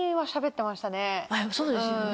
そうですよね。